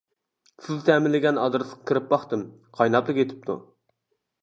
سىز تەمىنلىگەن ئادرېسقا كىرىپ باقتىم، قايناپلا كېتىپتۇ.